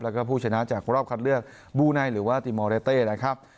แล้วก็ผู้ชนะจากรอบคัดเลือกบูไนหรือว่าติมอเรเต้นะครับ